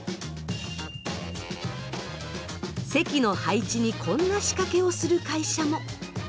席の配置にこんな仕掛けをする会社も。